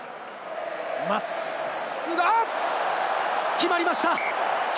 決まりました！